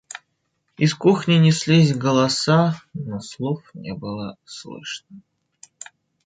Из кухни неслись голоса, но слов не было слышно.